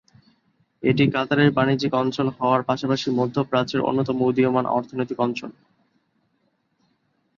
এটি কাতারের বাণিজ্যিক অঞ্চল হওয়ার পাশাপাশি মধ্যপ্রাচ্যের অন্যতম উদীয়মান অর্থনৈতিক অঞ্চল।